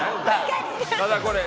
ただこれ。